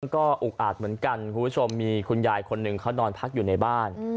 ก็อุกอาจเหมือนกันคุณผู้ชมมีคุณยายคนหนึ่งเขานอนพักอยู่ในบ้าน